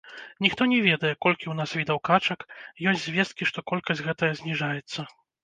Ніхто не ведае, колькі ў нас відаў качак, ёсць звесткі, што колькасць гэтая зніжаецца.